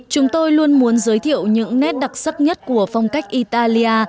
chúng tôi luôn muốn giới thiệu những nét đặc sắc nhất của phong cách italia